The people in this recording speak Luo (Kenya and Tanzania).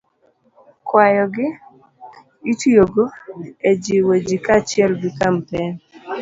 Kwayogo itiyogo e jiwo ji kaachiel gi kampen